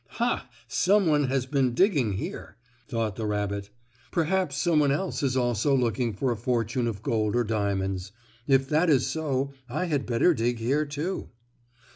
"Ha, some one has been digging here," thought the rabbit. "Perhaps some one else is also looking for a fortune of gold or diamonds. If that is so I had better dig here, too."